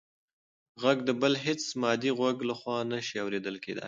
غږ د بل هېڅ مادي غوږ لخوا نه شي اورېدل کېدی.